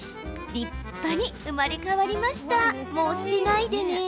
立派に生まれ変わりました。